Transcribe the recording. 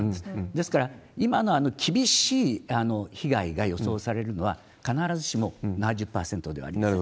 ですから、今のあの厳しい被害が予想されるのは、必ずしも７０％ではありません。